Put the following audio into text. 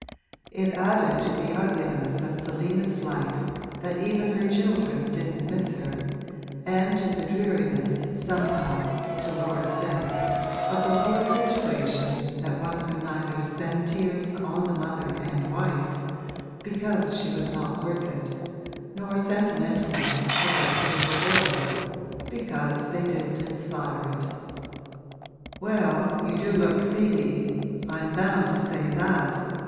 It added to the ugliness of Selina's flight that even her children didn't miss her, and to the dreariness, somehow, to Laura's sense, of the whole situation that one could neither spend tears on the mother and wife, because she was not worth it, nor sentimentalise about the little boys, because they didn't inspire it. 'Well, you do look seedy I'm bound to say that!'